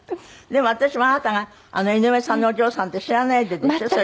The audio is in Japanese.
でも私もあなたが井上さんのお嬢さんって知らないででしょ？